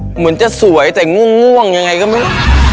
เหมือนจะสวยแต่ง่วงอย่างไรก็มี